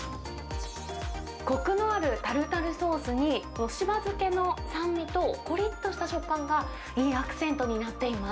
こくのあるタルタルソースに、柴漬けの酸味とこりっとした食感が、いいアクセントになっています。